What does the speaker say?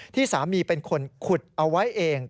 ที่สามีเป็นคนขุดเอาไว้เอง